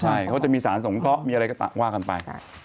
ใช่เขาจะมีสารส่งก็มีอะไรก็ว่ากันไป